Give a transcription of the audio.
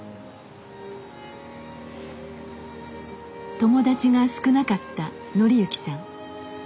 友達が少なかった範之さん。